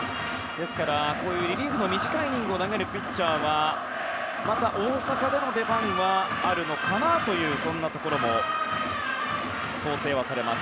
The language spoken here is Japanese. ですからリリーフの短いイニングを投げるピッチャーはまた大阪での出番はあるのかなというそんなところも想定はされます。